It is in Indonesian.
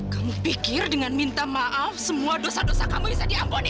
kamu pikir dengan minta maaf semua dosa dosa kamu bisa diamponi